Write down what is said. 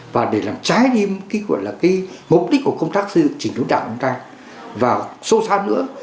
và để làm trái đi mục đích của công tác xây dựng chỉnh đối đảng của đảng và sâu xa nữa